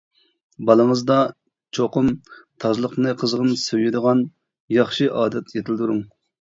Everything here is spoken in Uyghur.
بالىڭىزدا چوقۇم تازىلىقنى قىزغىن سۆيىدىغان ياخشى ئادەت يېتىلدۈرۈڭ.